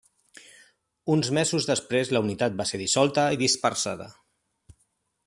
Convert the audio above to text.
Uns mesos després la unitat va ser dissolta i dispersada.